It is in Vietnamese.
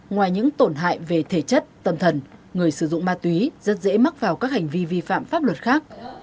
ngoài những tổn hại về thể chất tâm thần người sử dụng ma túy rất dễ mắc vào các hành vi vi phạm pháp luật khác